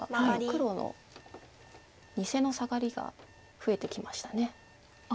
黒の２線のサガリが増えてきました。